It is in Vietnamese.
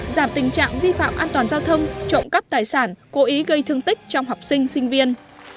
giảm tình trạng vi phạm an toàn giao thông trộm cắp tài sản cố ý gây thương tích trong học sinh sinh viên